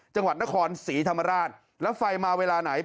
จังหวัดนครศรีธรรมราชแล้วไฟมาเวลาไหน